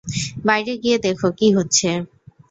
বাইরে গিয়ে দেখো কি হচ্ছে!